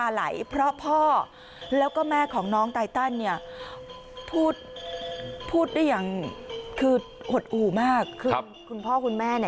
คือคุณพ่อคุณแม่เนี่ยเข้มแข็งมากนะ